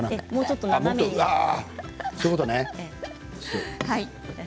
そういうことね。